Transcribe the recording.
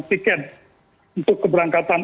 tiket untuk keberangkatan